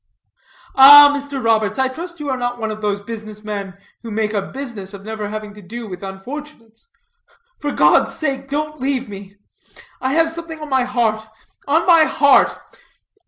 "Ah, Mr. Roberts, I trust you are not one of those business men, who make a business of never having to do with unfortunates. For God's sake don't leave me. I have something on my heart on my heart.